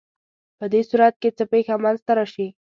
په دې صورت کې څه پېښه منځ ته راشي؟